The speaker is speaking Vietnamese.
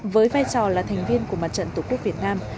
với vai trò là thành viên của mặt trận tổ quốc việt nam